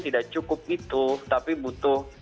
tidak cukup itu tapi butuh